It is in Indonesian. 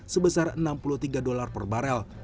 dua ribu dua puluh dua sebesar enam puluh tiga dolar per barel